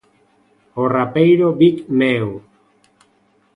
O rapeiro Big Meu.